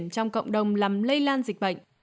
trong cộng đồng lầm lây lan dịch bệnh